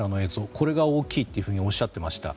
これが大きいとおっしゃっていました。